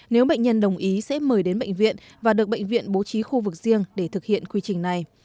nếu bệnh nhân đồng ý sẽ mời đến bệnh viện và được bệnh viện bố trí khu vực riêng để thực hiện quy trình này